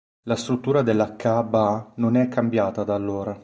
La struttura della Kaʿba non è cambiata da allora.